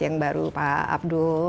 yang baru pak abdul